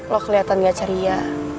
lo keliatan gak ceria